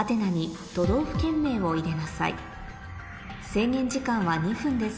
制限時間は２分です